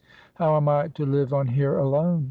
"How am I to live on here alone?"